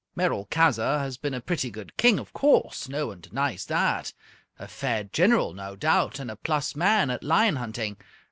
Merolchazzar has been a pretty good king, of course. No one denies that. A fair general, no doubt, and a plus man at lion hunting.